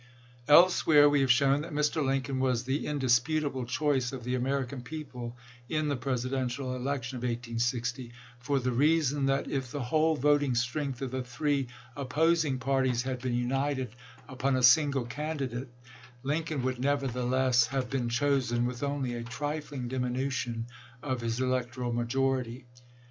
Elsewhere we have shown that Mr. Lincoln was the indisputable choice of the American people in the Presidential election of 1860, for the reason that if the whole voting strength of the three opposing parties had been united upon a single candidate, Lincoln would nevertheless have been chosen with only a trifling diminution of his elec toral majority.